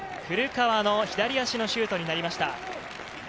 古川の左足のシュートになりました。